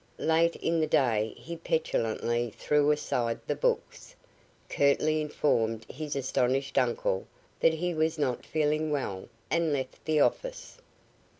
Late in the day he petulantly threw aside the books, curtly informed his astonished uncle that he was not feeling well, and left the office.